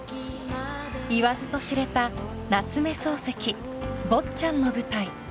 ［言わずと知れた夏目漱石『坊っちゃん』の舞台］